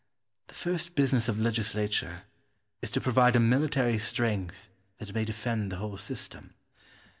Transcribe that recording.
The first business of legislature is to provide a military strength that may defend the whole system.